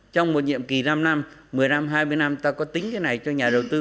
trong một nhiệm kỳ năm năm một mươi năm hai mươi năm ta có tính cái này cho nhà đầu tư